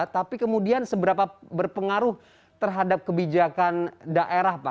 tapi kemudian seberapa berpengaruh terhadap kebijakan daerah pak